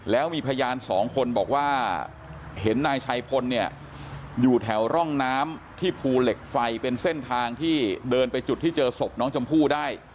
แล้วมีพยานสองคนบอกว่าเห็นนายชัยพลเนี่ยอยู่แถวร่องน้ำที่ภูเหล็กไฟเป็นเส้นทางที่เดินไปจุดที่เจอศพน้องชมพู่ได้